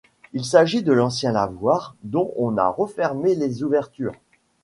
Il s'agit de l'ancien lavoir, dont on a refermé les ouvertures.